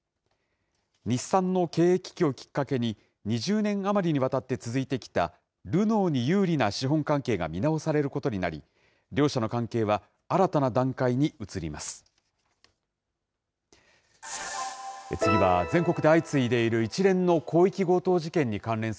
日産の経営危機をきっかけに、２０年余りにわたって続いてきたルノーに有利な資本関係が見直されることになり、両社の関係は新たな段階に移ります。